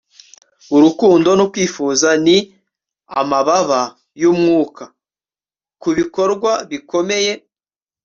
urukundo no kwifuza ni amababa y'umwuka ku bikorwa bikomeye